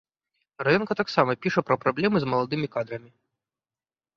Раёнка таксама піша пра праблемы з маладымі кадрамі.